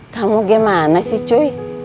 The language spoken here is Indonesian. kamu gimana sih cuy